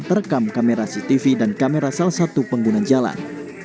terekam kamera cctv dan kamera salah satu pengguna jalan